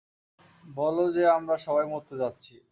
বলো যে আমরা সবাই মরতে যাচ্ছি!